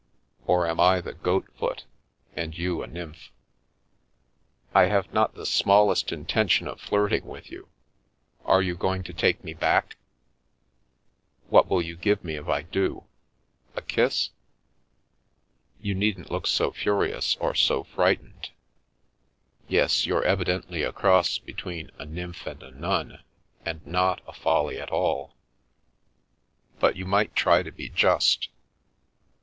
Or am I the goat foot, and you a nymph ?"" I have not the smallest intention of flirting with you. Are you going to take me back ?" "What will you give me if I do? A kiss? You needn't look so furious or so frightened — yes, you're S First Maurice and then Edgar evidently a cross between a nymph and a nun, and not a Folly at all. But you might try to be just.